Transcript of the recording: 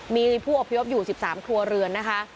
มีผู้อพยพอยู่๑๓ครัวเรือนนะคะ